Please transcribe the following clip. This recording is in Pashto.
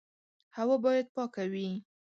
هوا باید پاکه وي.